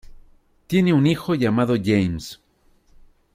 Tienen un hijo llamado James.